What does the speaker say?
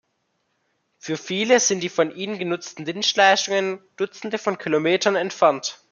Für viele sind die von ihnen genutzten Dienstleistungen dutzende von Kilometern entfernt.